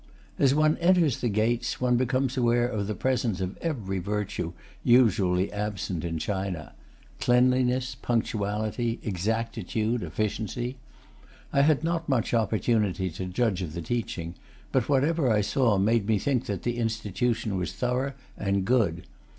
As one enters the gates, one becomes aware of the presence of every virtue usually absent in China: cleanliness, punctuality, exactitude, efficiency. I had not much opportunity to judge of the teaching, but whatever I saw made me think that the institution was thorough and good.